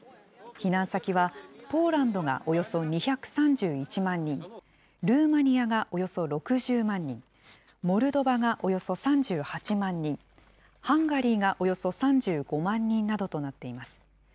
避難先は、ポーランドがおよそ２３１万人、ルーマニアがおよそ６０万人、モルドバがおよそ３８万人、ハンガリーがおよそ３５万人などとなっています。